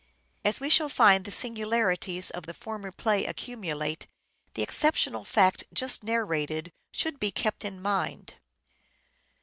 As we shall find the singularities of the former play accumulate, the exceptional fact just narrated should be kept in mind.